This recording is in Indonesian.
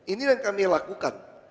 ini yang kami lakukan